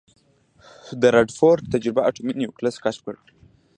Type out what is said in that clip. د ردرفورډ تجربه اټومي نیوکلیس کشف کړ.